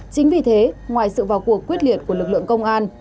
chính vì thế ngoài sự vào cuộc quyết liệt của lực lượng công an